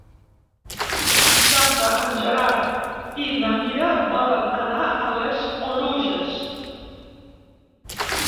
Dissabte en Gerard i na Mira volen anar a les Oluges.